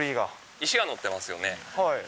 石がのってますよね。